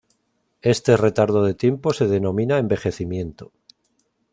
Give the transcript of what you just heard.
Este retardo de tiempo se denomina envejecimiento.